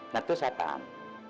nah tuh satan